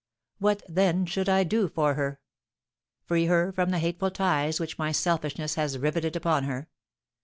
What, then, should I do for her? Free her from the hateful ties which my selfishness has riveted upon her.